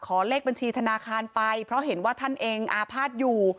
เลขบัญชีธนาคารไปเพราะเห็นว่าท่านเองอาภาษณ์อยู่